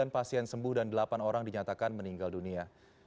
sembilan pasien sembuh dan delapan orang dinyatakan meninggal dunia